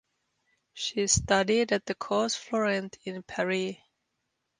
She studied at the Cours Florent in Paris.